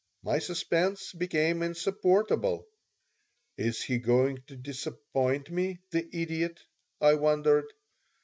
My suspense became insupportable. "Is he going to disappoint me, the idiot?" I wondered.